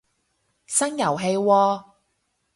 新遊戲喎